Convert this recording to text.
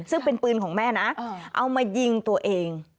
ซึ่งเป็นปืนของแม่นะเอามายิงตัวเอง